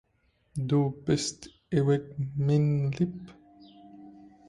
Du bist ewig meine Liebe.